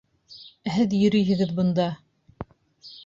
Ә һеҙ йөрөйһөгөҙ бында!